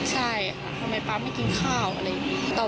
ใช่ทำไมป๊าไม่กินข้าวอะไรอย่างนี้